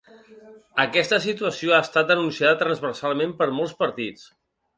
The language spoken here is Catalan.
Aquesta situació ha estat denunciada transversalment per molts partits.